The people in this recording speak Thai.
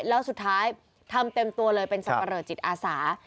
แล้วสุดท้ายทำเต็มตัวเลยเป็นสับปะเลอจิตอาสา